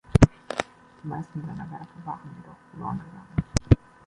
Die meisten seiner Werke waren jedoch verloren gegangen.